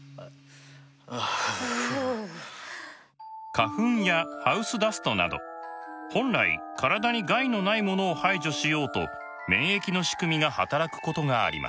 花粉やハウスダストなど本来体に害のないものを排除しようと免疫の仕組みが働くことがあります。